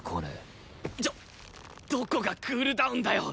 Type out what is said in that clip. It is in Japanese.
ちょっどこがクールダウンだよ。